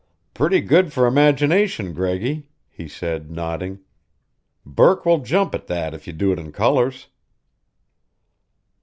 "Pretty good for imagination, Greggy," he said, nodding. "Burke will jump at that if you do it in colors."